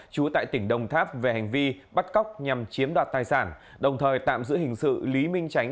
chú tại tỉnh đồng tháp về hành vi bắt cóc nhằm chiếm đoạt tài sản đồng thời tạm giữ hình sự lý minh tránh